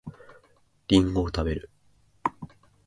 りんごを食べる